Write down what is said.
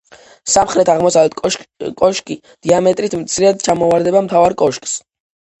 სამხრეთ-აღმოსავლეთ კოშკი, დიამეტრით, მცირედ ჩამოუვარდება მთავარ კოშკს.